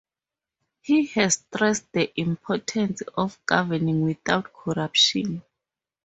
He has stressed the importance of governing without corruption.